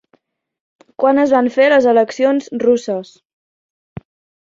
Quan es van fer les eleccions russes?